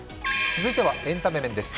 続いてはエンタメ面です。